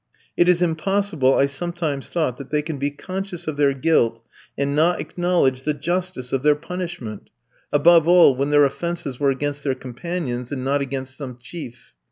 It is impossible, I sometimes thought, that they can be conscious of their guilt, and not acknowledge the justice of their punishment; above all, when their offences were against their companions and not against some chief.